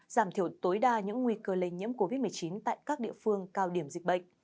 giảm thiểu tối đa những nguy cơ lây nhiễm covid một mươi chín tại các địa phương cao điểm dịch bệnh